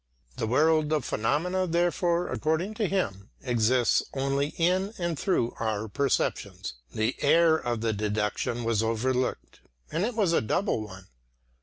The world of phenomena therefore, according to him, exists only in and through our perceptions. The error of the deduction was overlooked, and it was a double one.